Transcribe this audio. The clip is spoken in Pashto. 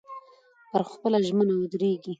پر خپله ژمنه ودرېږئ.